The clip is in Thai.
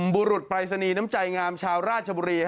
บูรุฑไปซณียน้ำจัยงามชาวราชบุรี